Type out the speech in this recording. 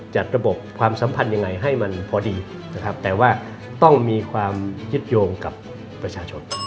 จัดระบบความสัมพันธ์ยังไงให้มันพอดีนะครับแต่ว่าต้องมีความยึดโยงกับประชาชน